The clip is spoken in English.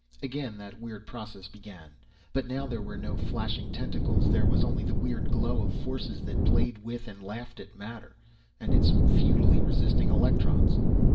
Again that weird process began, but now there were no flashing tentacles. There was only the weird glow of forces that played with, and laughed at matter, and its futilely resisting electrons.